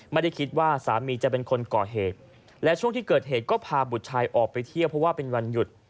ไม่ได้คิดว่าสามีจะเป็นคนก่อเหตุและช่วงที่เกิดเหตุก็พาบุตรชายออกไปเที่ยวเพราะว่าเป็นวันหยุด